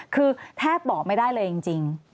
คือแทบบอกไม่ได้เลยจริง